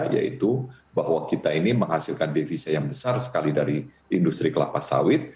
yaitu bahwa kita ini menghasilkan devisa yang besar sekali dari industri kelapa sawit